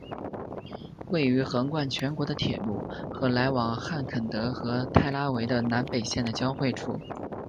位于横贯全国的铁路和来往汉肯德和泰拉维的南北线的交汇处。